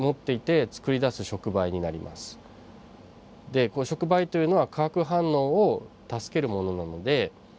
でこう触媒というのは化学反応を助けるものなので。